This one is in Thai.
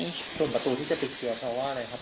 ส่วนประตูที่จะปิดเกี่ยวเขาว่าอะไรครับ